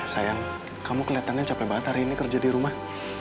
sayang kamu kelihatannya capek banget hari ini kerja di rumah